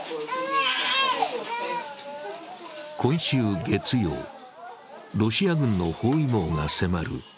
今週月曜、ロシア軍の包囲網が迫る